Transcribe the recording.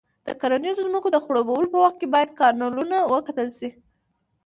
د کرنیزو ځمکو د خړوبولو په وخت کې باید کانالونه وکتل شي.